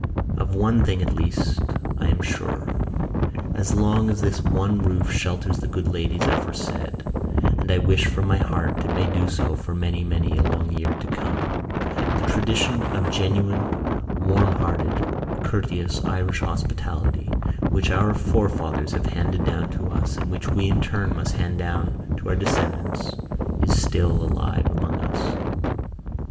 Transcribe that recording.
Of one thing, at least, I am sure. As long as this one roof shelters the good ladies aforesaid—and I wish from my heart it may do so for many and many a long year to come—the tradition of genuine warm hearted courteous Irish hospitality, which our forefathers have handed down to us and which we in turn must hand down to our descendants, is still alive among us."